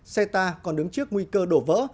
ceta còn đứng trước nguy cơ đổ vỡ